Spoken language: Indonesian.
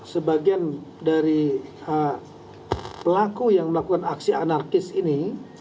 sebagian dari pelaku yang melakukan aksi anarkis ini